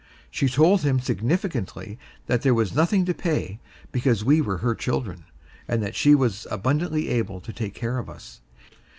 She told him significantly that there was nothing to pay, because we were her children, and that she was abundantly able to take care of us.